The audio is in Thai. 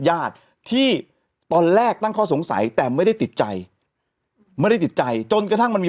ญาติที่ตอนแรกตั้งข้อสงสัยแต่ไม่ได้ติดใจไม่ได้ติดใจจนกระทั่งมันมี